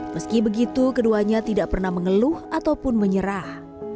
meski begitu keduanya tidak pernah mengeluh ataupun menyerah